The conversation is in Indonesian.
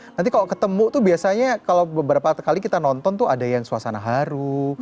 nanti kalau ketemu tuh biasanya kalau beberapa kali kita nonton tuh ada yang suasana haru